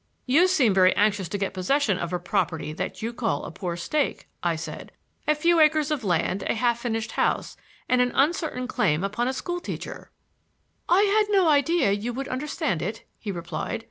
"You seem very anxious to get possession of a property that you call a poor stake," I said. "A few acres of land, a half finished house and an uncertain claim upon a school teacher!" "I had no idea you would understand it," he replied.